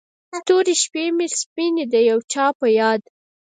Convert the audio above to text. تورې شپې مې سپینې د یو چا په یاد